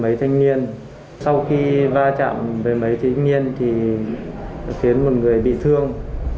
mấy thanh niên sau khi va chạm về mấy thanh niên thì khiến một người bị thương